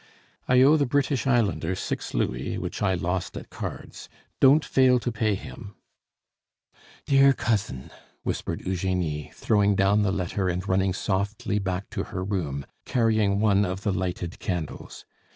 I owe the British Islander six louis, which I lost at cards; don't fail to pay him "Dear cousin!" whispered Eugenie, throwing down the letter and running softly back to her room, carrying one of the lighted candles.